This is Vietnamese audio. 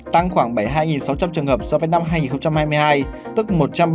tăng khoảng bảy mươi hai sáu trăm linh trường hợp so với năm hai nghìn hai mươi hai tức một trăm ba mươi